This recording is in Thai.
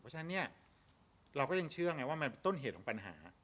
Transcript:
เพราะฉะนั้นเนี่ยเราก็ยังเชื่อไงว่ามันเป็นต้นเหตุของปัญหา